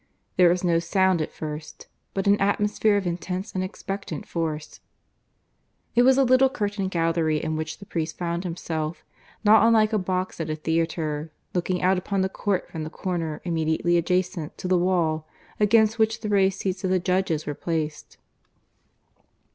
There was no sound at first, but an atmosphere of intense and expectant force. It was a little curtained gallery in which the priest found himself, not unlike a box at a theatre, looking out upon the court from the corner immediately adjacent to the wall against which the raised seats of the judges were placed.